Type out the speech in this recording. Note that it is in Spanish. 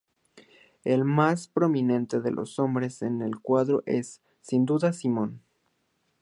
El más prominente de los hombres en el cuadro es, sin duda, Simón.